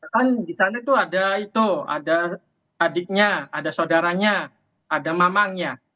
kan di sana itu ada itu ada adiknya ada saudaranya ada mamangnya